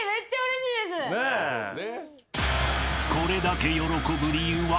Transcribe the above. ［これだけ喜ぶ理由は］